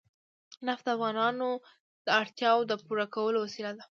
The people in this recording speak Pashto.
نفت د افغانانو د اړتیاوو د پوره کولو وسیله ده.